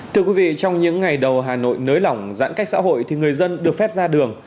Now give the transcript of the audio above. thưa quý vị trong những ngày đầu hà nội nới lỏng giãn cách xã hội thì người dân được phép ra đường